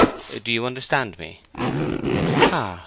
Do you understand me?" "Ah!"